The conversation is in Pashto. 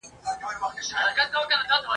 هيڅ طراوت هم په دې ټوله ګلخانه کي نه وو